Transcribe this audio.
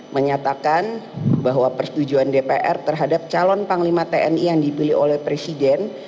menyatakan bahwa persetujuan dpr terhadap calon panglima tni yang dipilih oleh presiden